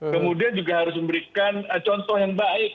kemudian juga harus memberikan contoh yang baik